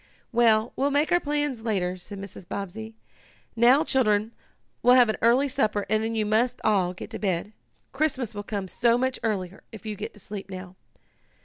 "Well, we'll make our plans later," said Mrs. Bobbsey. "Now, children, we'll have an early supper and then you must all get to bed. Christmas will come so much earlier if you go to sleep now."